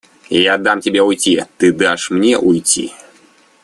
Я дам тебе уйти, ты дашь мне уйти.